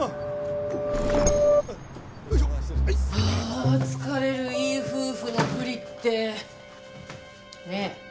あ疲れるいい夫婦のふりって。